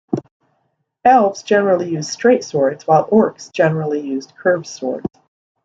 Elves generally used straight swords while Orcs generally used curved swords.